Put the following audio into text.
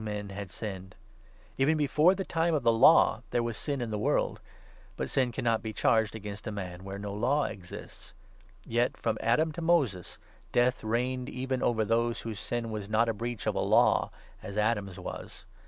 men had s;nned Even before the time of the i 3 Law there was sin in the world ; but sin cannot be charged against a man where no Law exists. Yet, from Adam to 14 Moses, Death reigned even over those whose sin was not a breach of a law, as Adam's was.